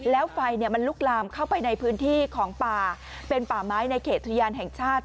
แล้วไฟมันลุกลามเข้าไปในพื้นที่ของป่าเป็นป่าไม้ในเขตอุทยานแห่งชาติ